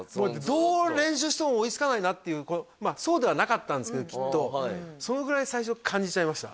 どう練習しても追いつかないなっていうまあそうではなかったんですけどきっとそれぐらい最初感じちゃいました